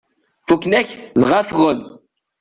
Fukken akk, dɣa ffɣen.